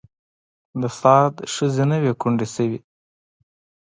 د سعد ښځې نه وې کونډې شوې.